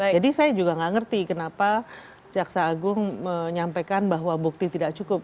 jadi saya juga nggak ngerti kenapa kejaksaan agung menyampaikan bahwa bukti tidak cukup